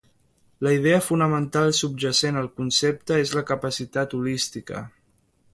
La idea fonamental subjacent al concepte és la capacitat holística.